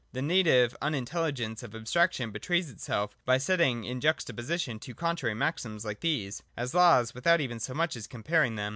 The native unintelligence of abstraction betrays itself by setting in juxtaposition two contrary maxims, like these, as laws, without even so much as comparing them.